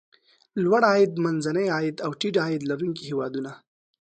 لوړ عاید، منځني عاید او ټیټ عاید لرونکي هېوادونه.